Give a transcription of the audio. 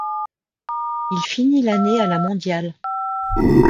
Il finit l'année à la mondiale.